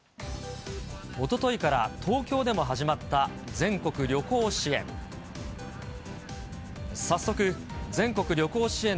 おとといから東京でも始まった全国旅行支援。